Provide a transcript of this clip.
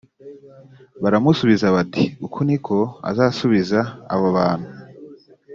baramusubiza bati uku ni ko uzasubiza abo bantu